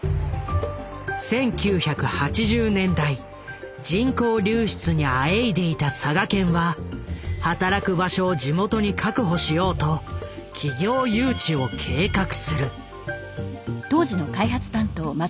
１９８０年代人口流出にあえいでいた佐賀県は働く場所を地元に確保しようと企業誘致を計画する。